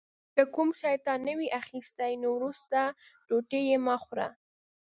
که کوم شی تا نه وي اخیستی نو وروستی ټوټه یې مه خوره.